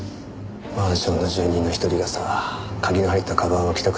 マンションの住人の一人がさ鍵の入った鞄を帰宅